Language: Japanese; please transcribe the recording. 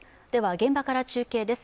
現場から中継です。